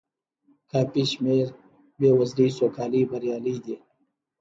کافي شمېر بې وزلۍ سوکالۍ بریالۍ دي.